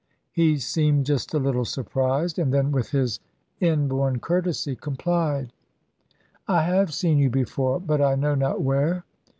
He seemed just a little surprised, and then with his inborn courtesy complied. "I have seen you before, but I know not where.